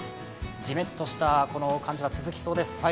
ジメッとしたこの感じは続きそうです。